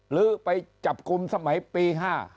หรือไปจับคุมสมัยปี๕๕๕๕